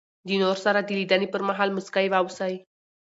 د نور سره د لیدني پر مهال مسکی واوسئ.